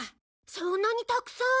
そんなにたくさん？